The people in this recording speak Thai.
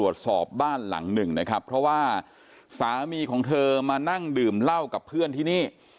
เช่นข่าระหว่าสามีของเธอมานั่งดื่มเล่ากับเพื่อนที่นี่